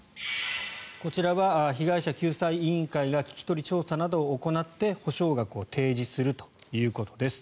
こちらは被害者救済委員会が聞き取り調査などを行って補償額を提示するということです。